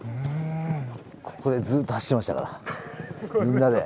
ここでずっと走ってましたからみんなで。